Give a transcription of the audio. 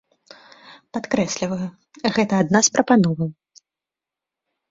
Падкрэсліваю, гэта адна з прапановаў.